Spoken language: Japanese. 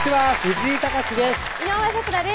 井上咲楽です